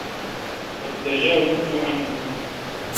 وَالتَّجَاوُزُ عَنْهُمْ